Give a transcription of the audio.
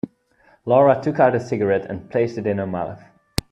Laura took out a cigarette and placed it in her mouth.